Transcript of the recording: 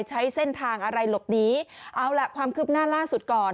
ใช้เส้นทางอะไรหลบหนีเอาล่ะความคืบหน้าล่าสุดก่อน